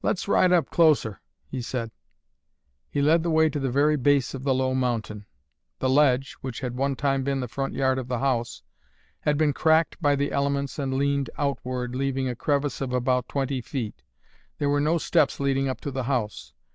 "Let's ride up closer," he said. He led the way to the very base of the low mountain. The ledge, which had one time been the front yard of the house, had been cracked by the elements and leaned outward, leaving a crevice of about twenty feet. There were no steps leading up to the house.